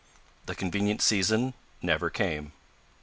The convenient season never came.